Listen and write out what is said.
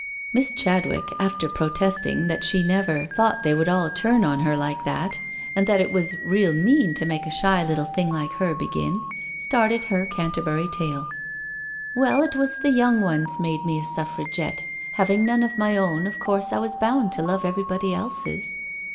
Miss Chadwick, after protesting that she never io6 NO SURRENDER thought they would all turn on her like that, and that it was real mean to make a shy little thing like her begin, started her Canterbury tale: " Well, it was the young ones made me a Su£fra gette— having none of my own, of course I was bound to love everybody else's.